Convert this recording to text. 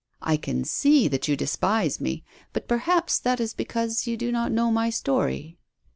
I can see that you despise me, but perhaps that is because you do not know my story."